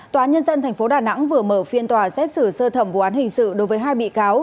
tòa nhân dân tp đà nẵng vừa mở phiên tòa xét xử sơ thẩm vụ án hình sự đối với hai bị cáo